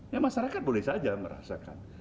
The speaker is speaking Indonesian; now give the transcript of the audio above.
ya masyarakat boleh saja merasakan